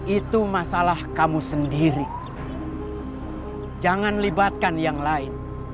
itu masalah kamu sendiri